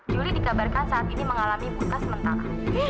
julie dikabarkan saat ini mengalami buta sementara